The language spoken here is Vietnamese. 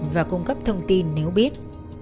và cung cấp thông tin nếu biết